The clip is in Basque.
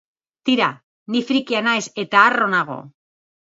Tira, ni frikia naiz eta harro nago.